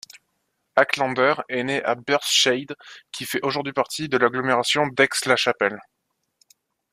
Hackländer est né à Burtscheid, qui fait aujourd'hui partie de l'agglomération d'Aix-la-Chapelle.